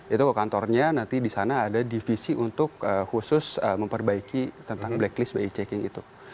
itu ke kantornya nanti di sana ada divisi untuk khusus memperbaiki tentang blacklist bi checking itu